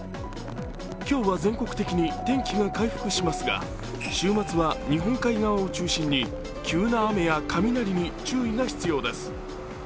今日は全国的に天気が回復しますが週末は日本海側を中心に急な雨や雷に注意が必要です。